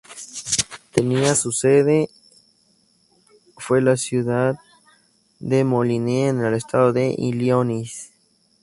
Tenía su sede fue la ciudad de Moline, en el estado de Illinois.